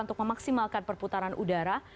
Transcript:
untuk memaksimalkan perputaran udara